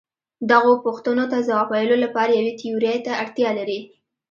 دغو پوښتنو ته ځواب ویلو لپاره یوې تیورۍ ته اړتیا لرو.